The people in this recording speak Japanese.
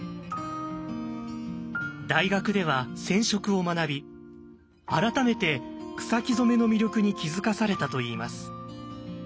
大学では染色を学び改めて草木染めの魅力に気付かされたと言います。